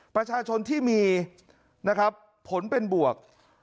ประชาชนที่มีนะครับผลเป็นบวก